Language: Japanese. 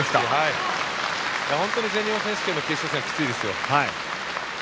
本当に全日本選手権の決勝戦はきついですよ。